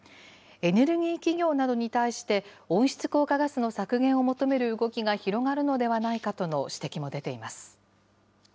エネルギー企業などに対して、温室効果ガスの削減を求める動きが広がるのではないかとの指摘も出ています。